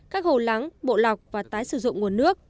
các hồ lắng bộ lọc và tái sử dụng nguồn nước